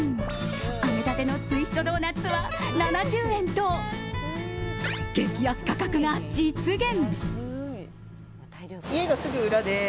揚げたてのツイストドーナツは７０円と、激安価格が実現。